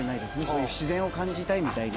そういう自然を感じたいみたいな。